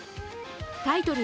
タイトル